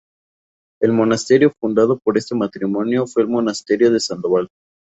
El monasterio fundado por este matrimonio fue el Monasterio de Sandoval.